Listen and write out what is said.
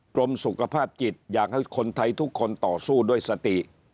กรมสุขภาพจิตอยากให้คนไทยทุกคนต่อสู้ด้วยสติ